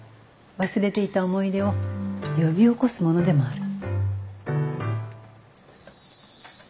忘れていた思い出を呼び起こすものでもある。